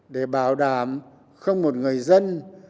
để bảo đảm không một người dân